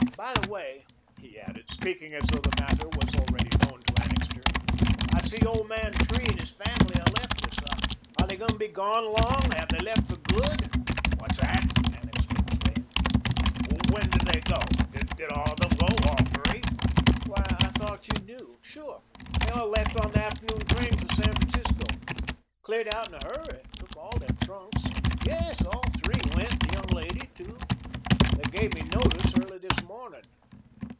By the way," he added, speaking as though the matter was already known to Annixter, "I see old man Tree and his family have left us. Are they going to be gone long? Have they left for good?" "What's that?" Annixter exclaimed. "When did they go? Did all of them go, all three?" "Why, I thought you knew. Sure, they all left on the afternoon train for San Francisco. Cleared out in a hurry took all their trunks. Yes, all three went the young lady, too. They gave me notice early this morning.